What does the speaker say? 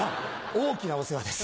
大きなお世話です